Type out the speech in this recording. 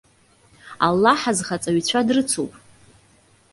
Аллаҳ азхаҵаҩцәа дрыцуп.